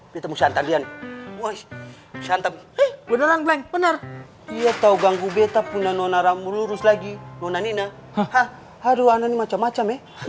bener bener iya tahu ganggu betapun anonaram lurus lagi nona nina